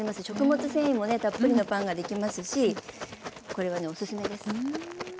食物繊維もねたっぷりのパンができますしこれはねおすすめです。